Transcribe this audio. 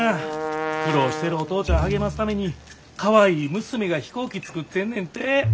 苦労してるお父ちゃん励ますためにかわいい娘が飛行機作ってんねんて。